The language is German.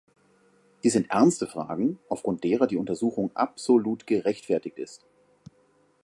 Dies sind ernste Fragen, aufgrund derer die Untersuchung absolut gerechtfertigt ist.